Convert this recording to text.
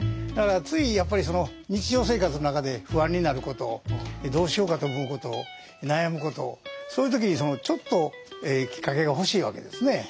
だからついやっぱりその日常生活の中で不安になることどうしようかと思うこと悩むことそういう時にちょっときっかけが欲しいわけですね。